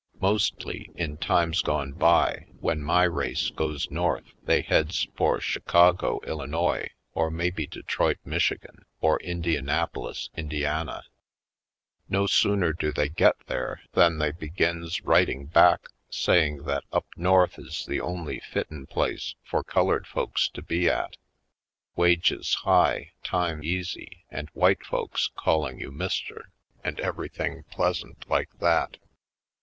Mostly, in times gone by, when my race goes North they heads for Chicago, Illinois, or maybe Detroit, Michi gan, or Indianapolis, Indiana. No sooner 22 /. Poindexterj Colored do they get there than they begins writing back saying that up North is the only fitten place for colored folks to be at; wages high, times easy, and white folks calling you "Mister" and everything pleasant like that.